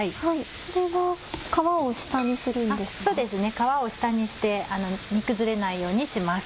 皮を下にして煮崩れないようにします。